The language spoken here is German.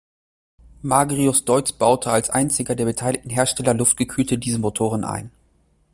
Magirus-Deutz baute als einziger der beteiligten Hersteller luftgekühlte Dieselmotoren ein.